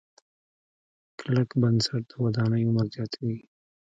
کلک بنسټ د ودانۍ عمر زیاتوي.